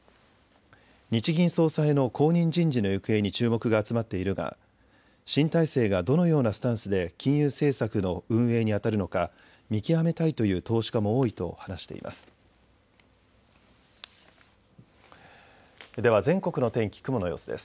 日銀総裁の後任人事の行方に注目が集まっているが新体制がどのようなスタンスで金融政策の運営にあたるのか見極めたいという投資家も多いと話しています。